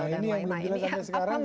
nah ini yang boleh dibilang sekarang karena